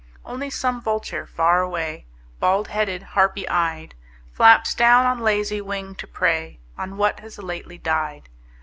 Only some vulture far away, Bald headed, harpy eyed, Flaps down on lazy wing to prey On what has lately died.